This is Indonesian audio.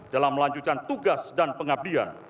dalam melanjutkan tugas dan pengabdian